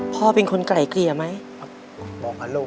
พ่อเป็นคนไกล่เกลี่ยไหม